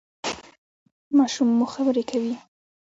ماشوم مو خبرې کوي؟